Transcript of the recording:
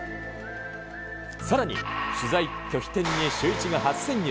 さらに、取材拒否店にシューイチが初潜入。